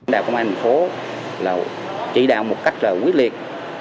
đạo công an thành phố chỉ đạo một cách quyết liệt